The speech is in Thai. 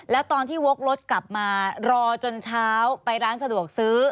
แล้วตอนที่วกรถกลับมารอจนเช้าไปร้านสะดวกซื้อ